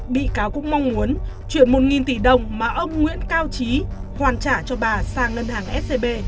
bị cáo cũng mong muốn chuyển một tỷ đồng mà ông nguyễn cao trí hoàn trả cho bà sang ngân hàng scb